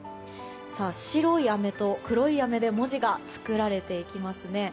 白いあめと黒いあめで文字が作られていきますね。